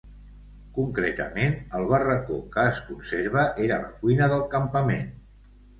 Concretament, el barracó que es conserva era la cuina del campament.